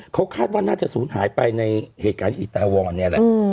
เขาคาดว่าน่าจะศูนย์หายไปในเหตุการณ์อีตาวรเนี่ยแหละ